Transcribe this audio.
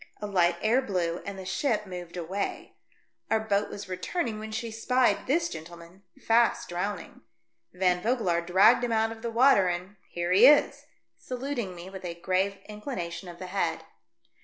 A light air blew, and the ship moved away. Our boat was returning, » AM SHOWN A PRESENT FOR MARGARETHA. I 23 when she spied this gentleman fast drowning. Van Vogelaar dragged him out of the water, and — here he is!" saluting me with a grave inclination of the head.